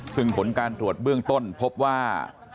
ซึ่งผลการตรวจเบื้องต้นพบว่า